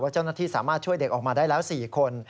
เจ้าหน้าที่สามารถช่วยเด็กออกมาได้แล้ว๔คน